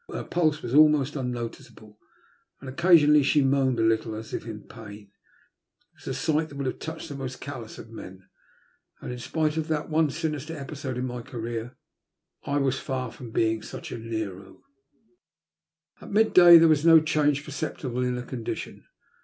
Her pulse was almost unnoticeable, and occasionally she moaned a little, as if in pain. It was a sight that would have touched the most callous of men, and in spite of that one sinister episode in my career, I was far frem being such a Nero. A BITTER DISAPPOINTMENT. 177 At midday there was no change perceptible in her condition.